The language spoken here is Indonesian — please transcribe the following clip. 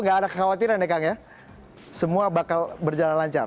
nggak ada kekhawatiran ya kang ya semua bakal berjalan lancar